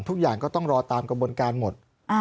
ทุกอย่างก็ต้องรอตามกระบวนการหมด